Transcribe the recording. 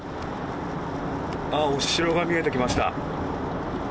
お城が見えてきました。